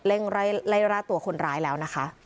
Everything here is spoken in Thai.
ไล่ล่าตัวคนร้ายแล้วนะคะ